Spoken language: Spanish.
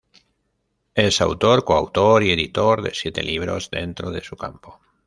Es autor, coautor y editor de siete libros dentro de su campo.